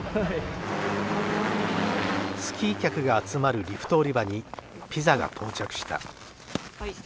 スキー客が集まるリフト降り場にピザが到着した。